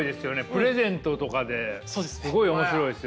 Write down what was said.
プレゼントとかですごい面白いですよね。